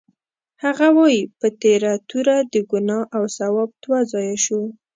هغه وایي: په تېره توره د ګناه او ثواب دوه ځایه شو.